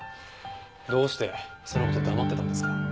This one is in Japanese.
どうしてその事黙ってたんですか？